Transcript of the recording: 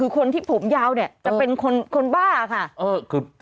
คนที่ผมยาวเนี่ยจะเป็นคนบ้าค่ะ